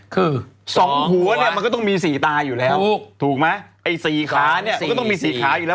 คือสองหัวเนี่ยมันก็ต้องมีสี่ตาอยู่แล้วถูกถูกไหมไอ้สี่ขาเนี่ยมันก็ต้องมีสี่ขาอยู่แล้ว